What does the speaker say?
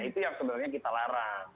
itu yang sebenarnya kita larang